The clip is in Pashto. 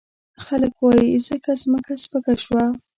خلګ وايي ځکه مځکه سپکه شوه.